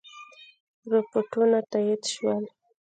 رپوټونه تایید شول.